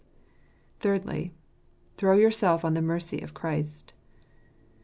Thirdly, Throw yourself on the mercy of Christ.